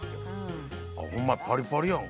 ホンマやパリパリやん。